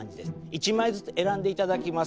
１枚ずつ選んでいただきます。